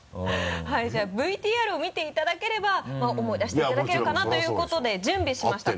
はいじゃあＶＴＲを見ていただければ思い出していただけるかなということで準備しました